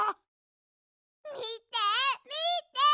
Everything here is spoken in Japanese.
みてみて！